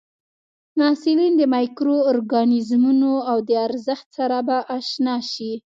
محصلین د مایکرو ارګانیزمونو او د ارزښت سره به اشنا شي.